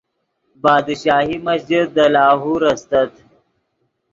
بادشاہی مسجد دے لاہور استت